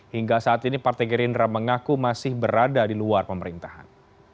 hingga saat ini partai gerindra mengaku masih berada di luar pemerintahan